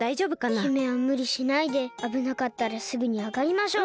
姫はむりしないであぶなかったらすぐにあがりましょう。